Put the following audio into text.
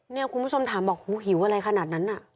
คุณผู้ชมถามบอกหูหิวอะไรขนาดนั้นน่ะ